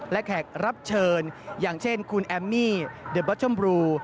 และแขกรับเชิญอย่างเช่นคุณแอมมี่เดอร์บอสชมบรู